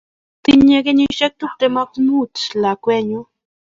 tinyei kenyisiek tiptem ak mut lakwenyu